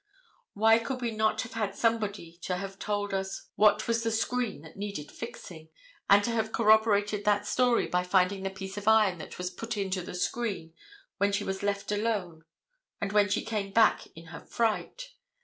Why could we not have had somebody to have told us what was the screen that needed fixing, and to have corroborated that story by finding the piece of iron that was put into the screen when she was left alone and when she came back in her fright.